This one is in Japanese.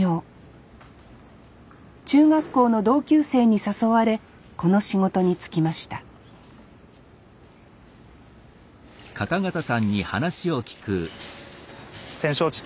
中学校の同級生に誘われこの仕事に就きました展勝地